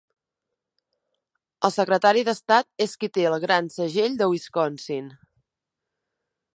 El Secretari d'Estat és qui té el gran segell de Wisconsin.